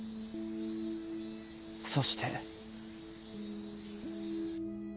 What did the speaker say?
そして。